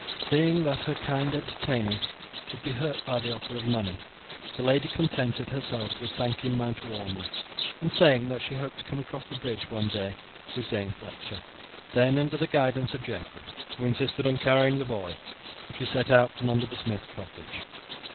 Seeing that her kind entertainers would be hurt by the offer of money, the lady contented herself with thanking Madge warmly, and saying that she hoped to come across the bridge one day with Dame Fletcher; then, under the guidance of Geoffrey, who insisted on carrying the boy, she set out from the smith's cottage.